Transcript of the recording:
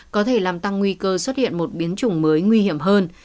có thể làm tăng nguy cơ xuất hiện một biến chủng mới nguy hiểm hơn